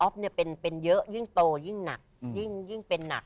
อ๊อฟเนี่ยเป็นเยอะยิ่งโตยิ่งหนักยิ่งเป็นนัก